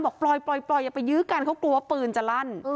บอกปล่อยอย่าไปยื้อกันเขากลัวว่าปืนจะลั่น